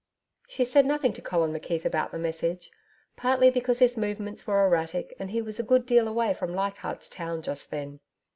She said nothing to Colin McKeith about the message partly because his movements were erratic and he was a good deal away from Leichardt's town just then.